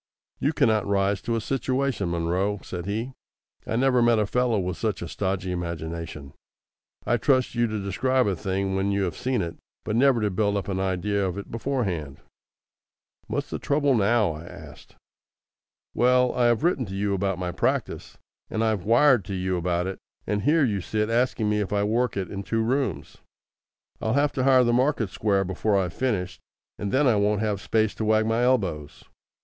"You cannot rise to a situation, Munro," said he. "I never met a fellow with such a stodgy imagination. I'd trust you to describe a thing when you have seen it, but never to build up an idea of it beforehand." "What's the trouble now?" I asked. "Well, I have written to you about my practice, and I've wired to you about it, and here you sit asking me if I work it in two rooms. I'll have to hire the market square before I've finished, and then I won't have space to wag my elbows.